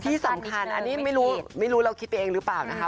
ที่สำคัญอันนี้ไม่รู้ไม่รู้เราคิดไปเองหรือเปล่านะคะ